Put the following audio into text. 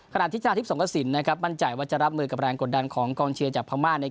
ขณะทิชญาทฤทธิ์ส่งสินนะครับมั่นใจว่าจะรับมือกับแรงกดดันของกองเชียร์จากพ่าในเกมแรก